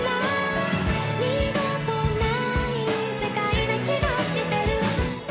「二度とない世界な気がしてる」